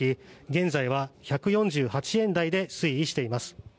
現在は１４８円台で推移しています。